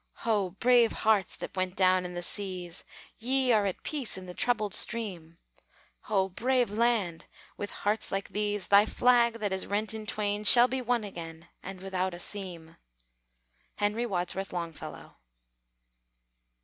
Ho! brave hearts that went down in the seas! Ye are at peace in the troubled stream; Ho! brave land! with hearts like these, Thy flag, that is rent in twain, Shall be one again, And without a seam! HENRY WADSWORTH LONGFELLOW.